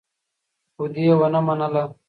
خو دې ونه منله.